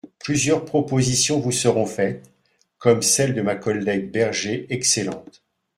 Plusieurs propositions vous seront faites, comme celle de ma collègue Berger, excellente.